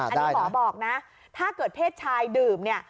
อันนี้หมอบอกนะถ้าเกิดเพศชายดื่มเนี่ย